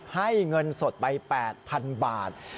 ให้เงินสดไป๘๐๐๐บาท